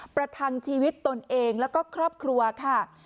ประทังชีวิตตนเองแล้วก็ครอบครัวค่ะ